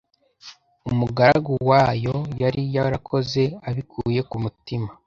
umugaragu wa Yo yari yarakoze abikuye ku mutima